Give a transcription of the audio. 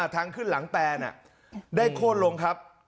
ทั้งขึ้นหลังแปลน่ะได้โค้ดลงครับ